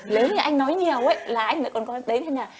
nếu như anh nói nhiều ấy là anh lại còn coi đến